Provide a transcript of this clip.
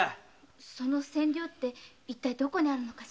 その千両ってどこにあるのかしら？